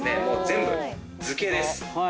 もう全部図形です。